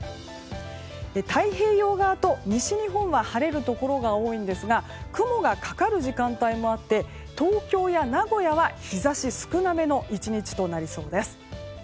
太平洋側と西日本は晴れるところが多いんですが雲がかかる時間帯もあって東京や名古屋は日差し少なめの１日となりそうです。